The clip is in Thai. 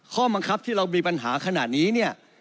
ข้อบังคับที่เรามีปัญหาขนาดนี้เนี่ย